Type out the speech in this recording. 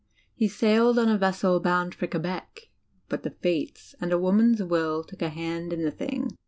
He sailed on a vessel bound for Quebec; but the fates and a woman's will took a hand in the thing.